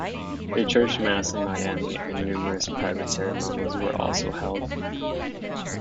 A church mass in Miami and numerous private ceremonies were also held.